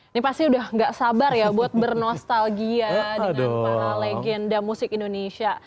ini pasti udah gak sabar ya buat bernostalgia dengan para legenda musik indonesia